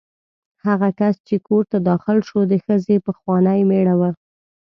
هغه کس چې کور ته داخل شو د ښځې پخوانی مېړه و.